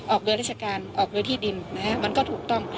เรือราชการออกโดยที่ดินมันก็ถูกต้อง